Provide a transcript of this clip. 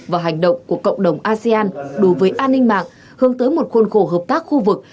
và hành động của cộng đồng asean đối với an ninh mạng hướng tới một khuôn khổ hợp tác khu vực